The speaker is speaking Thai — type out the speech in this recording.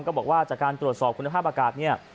บอกว่าจากการตรวจสอบคุณภาพอากาศเนี่ย